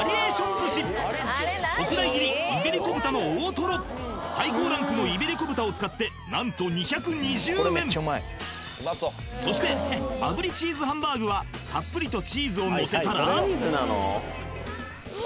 寿司最高ランクのイベリコ豚を使って何と２２０円そしてあぶりチーズハンバーグはたっぷりとチーズをのせたらうわ